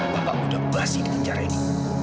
bapak udah basi di penjara ini